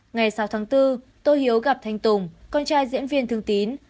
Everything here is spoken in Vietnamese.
ngày sáu tháng bốn tôi hiếu gặp thanh tùng con trai diễn viên thương tín